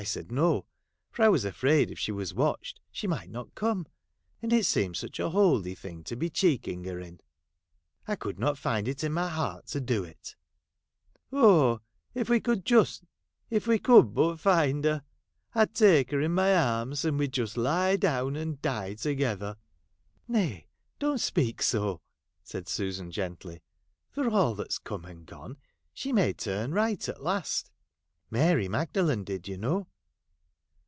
said No, for I was afraid if a!: !ied she might not come, and it seemed such a holy thing to be checking her in, I could not lind in my !ie;'i t to do it,' ' Oil. if we could but find her ! I 'd take her in my arms, and we 'd just lie down and die together.' 'Nay, don't speak so !' said Susan gently, 'for all that's come and gone, she may turn right at last. Mary Magdalen did, you know.'